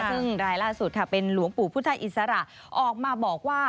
ซึ่งรายล่าสุดค่ะเป็นหลวงปู่พุทธอิสระออกมาบอกว่า